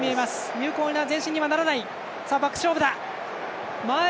有効な前進にはならない。